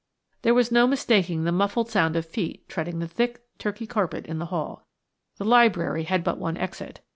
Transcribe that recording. There was no mistaking the muffled sound of feet treading the thick Turkey carpet in the hall. The library had but one exit.